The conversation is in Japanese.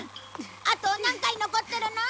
あと何回残ってるの？